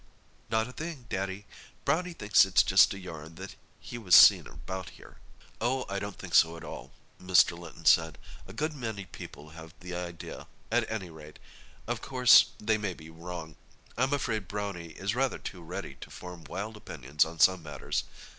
"Not a thing, Daddy. Brownie thinks it's just a yarn that he was seen about here." "Oh, I don't think so at all," Mr. Linton said. "A good many people have the idea, at any rate—of course they may be wrong. I'm afraid Brownie is rather too ready to form wild opinions on some matters.